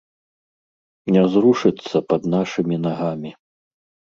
Не зрушыцца пад нашымі нагамі.